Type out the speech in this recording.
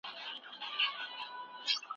ټولنپوهنه انسان ته ژور بصیرت ورکوي.